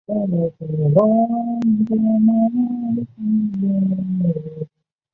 另外的性质和李括号的一致。